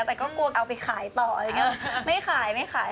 แต่ก็กลัวเอาไปขายต่อไม่ขายไม่ขาย